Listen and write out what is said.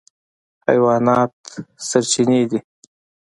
حیوانات سرچینې دي.